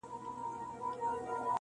• ژونده ټول غزل عزل ټپې ټپې سه,